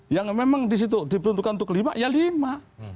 yang memang di situ diperuntukkan untuk kelima ya lima